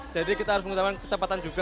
jadi kita harus mengutamakan ketepatan juga